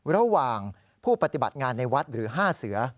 ระหว่างผู้ปฏิบัติงานในวัดหรือ๕เสือ